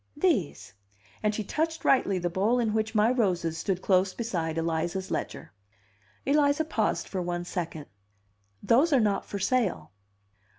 "These." And she touched rightly the bowl in which my roses stood close beside Eliza's ledger. Eliza paused for one second. "Those are not for sale."